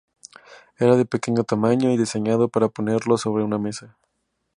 Era de pequeño tamaño y diseñado para ponerlo sobre una mesa.